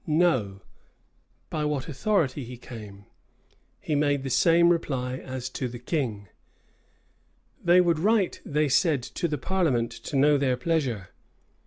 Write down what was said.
"No;" by what authority he came? he made the same reply as to the king. "They would write," they said, "to the parliament to know their pleasure."